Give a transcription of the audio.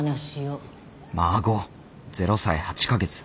孫０歳８か月。